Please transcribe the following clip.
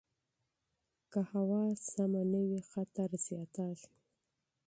که هوا خرابه شي، خطر زیاتیږي.